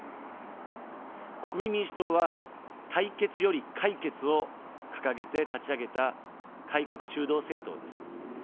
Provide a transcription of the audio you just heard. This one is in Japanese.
国民民主党は、対決より解決を掲げて立ち上げた改革中道政党です。